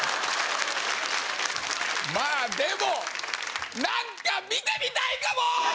まあでもなんか見てみたいかも！